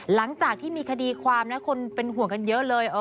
หลังจากที่มีคดีความนะคนเป็นห่วงกันเยอะเลย